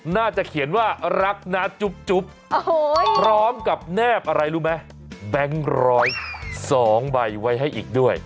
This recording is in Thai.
น่าจะเขียนว่ารักนะจุ๊บพร้อมกับแนบอะไรรู้ไหมแบงค์๑๐๒ใบไว้ให้อีกด้วย